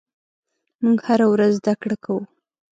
موږ هره ورځ زدهکړه کوو.